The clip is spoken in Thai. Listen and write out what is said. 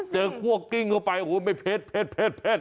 เจอครัวกิ้งเข้าไปโอ้โหไม่เผ็ดเผ็ดเผ็ดเผ็ดเผ็ด